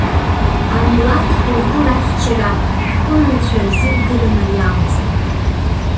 Амилаҭтә культура ахьчара, ашәҟәыҩҩцәа рӡыргара мариамызт.